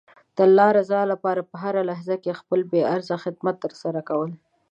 د الله رضا لپاره په هره لحظه کې خپله بې غرضه خدمت ترسره کول.